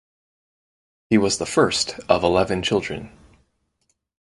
He was the first of eleven children.